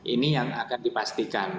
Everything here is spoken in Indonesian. ini yang akan dipastikan